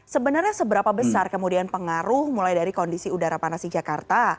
sebenarnya seberapa besar kemudian pengaruh mulai dari kondisi udara panas di jakarta